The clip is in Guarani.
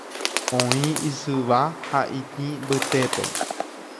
Oĩ isyva ha itĩ mbytépe.